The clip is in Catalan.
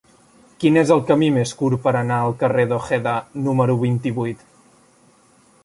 Quin és el camí més curt per anar al carrer d'Ojeda número vint-i-vuit?